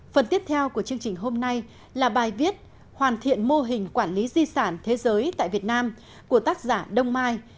phần tiếp theo của chương trình hôm nay là bài viết hoàn thiện mô hình quản lý di sản thế giới tại việt nam của tác giả đông mai